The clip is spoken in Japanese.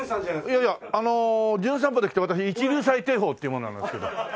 いやいやあの『じゅん散歩』で来た私一龍斎貞鳳っていう者なんですけど。